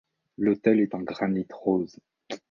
L'autel est en granit rose.